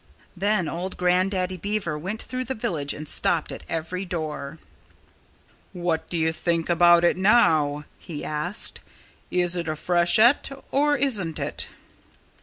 Then old Grandaddy Beaver went through the village and stopped at every door. "What do you think about it now?" he asked. "Is it a freshet or isn't it?"